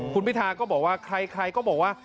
คุณพิธาก็บอกว่าใครก็บอกว่า